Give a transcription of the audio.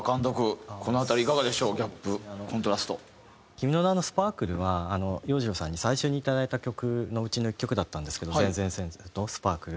『君の名は。』の『スパークル』は洋次郎さんに最初にいただいた曲のうちの１曲だったんですけど『前前前世』と『スパークル』。